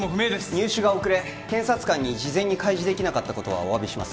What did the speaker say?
入手が遅れ検察官に事前に開示できなかったことはお詫びします